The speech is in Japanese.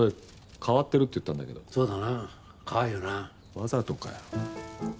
わざとかよ。